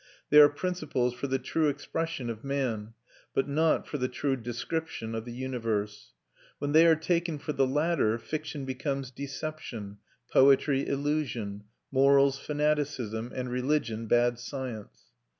They are principles for the true expression of man, but not for the true description of the universe. When they are taken for the latter, fiction becomes deception, poetry illusion, morals fanaticism, and religion bad science.